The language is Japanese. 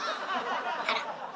あら。